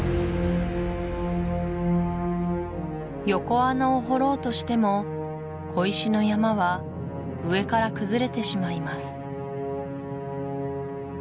横穴を掘ろうとしても小石の山は上から崩れてしまいます